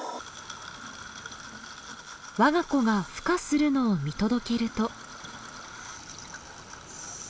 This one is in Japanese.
我が子が孵化するのを見届けると。